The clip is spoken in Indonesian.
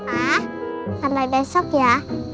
pa sampai besok ya